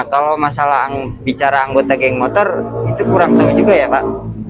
kalau masalah bicara anggota geng motor itu kurang tahu juga ya pak